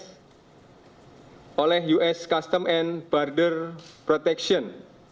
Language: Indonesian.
tidak boleh memasuki wilayah as oleh us customs and border protection